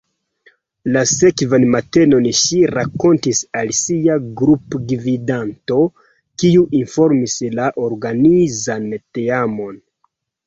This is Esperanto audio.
La sekvan matenon ŝi rakontis al sia grupgvidanto, kiu informis la organizan teamon.